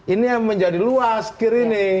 ini yang menjadi luas kir ini